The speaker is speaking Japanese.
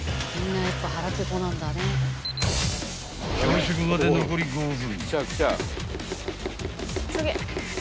［朝食まで残り５分］